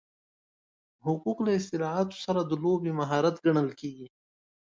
حقوق له اصطلاحاتو سره د لوبې مهارت ګڼل کېږي.